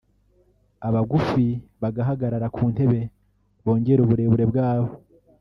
abagufi bahagarara ku ntebe bongera uburebure bwabo